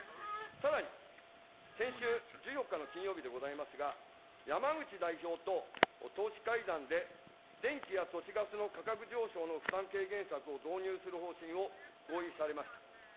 さらに先週１４日の金曜日でございますが、山口代表と党首会談で、電気や都市ガスの価格上昇の負担軽減策を導入する方針を合意されました。